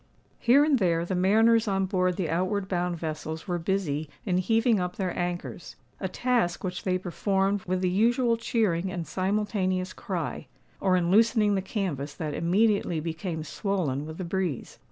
Here and there the mariners on board the outward bound vessels were busy in heaving up their anchors—a task which they performed with the usual cheering and simultaneous cry,—or in loosening the canvass that immediately became swollen with the breeze.